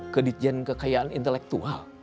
kedidikan kekayaan intelektual